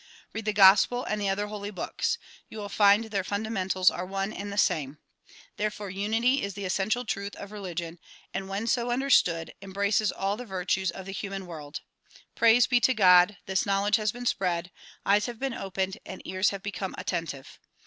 Read the gospel and the other holy books. You will find their fundamentals are one and tlie same. Therefore unity is the essential trwth of religion aiul when so understood embraces all the virtues of the 30 THE PROMULGATION OF UNIVERSAL PEACE human world. Praise be to God ! this knowledge has been spread, eyes have been opened and ears have become attentive.